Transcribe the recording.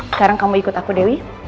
sekarang kamu ikut aku dewi